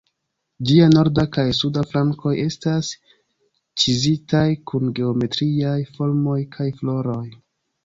Ĝia norda kaj suda flankoj estas ĉizitaj kun geometriaj formoj kaj floroj.